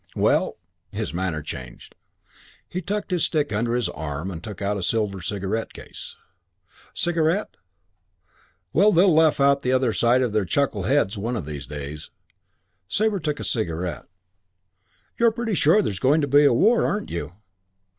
Well " His manner changed. He tucked his stick under his arm and took out a silver cigarette case. "Cigarette? Well they'll laugh the other side of their chuckle heads one of these days." Sabre took a cigarette. "You're pretty sure there's going to be a war, aren't you?"